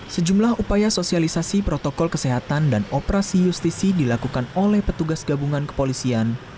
sejumlah upaya sosialisasi protokol kesehatan dan operasi justisi dilakukan oleh petugas gabungan kepolisian